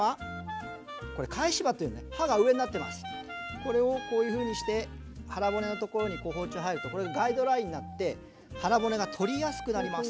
これをこういうふうにして腹骨のところにこう包丁入るとガイドラインになって腹骨が取りやすくなります。